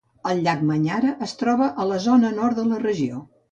El llac Manyara es troba a la zona nord de la regió.